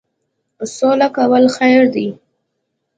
سوله کول خیر دی.